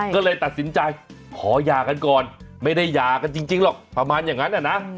ก็เลยตัดสินใจขอหย่ากันก่อนไม่ได้หย่ากันจริงหรอกประมาณอย่างนั้นนะ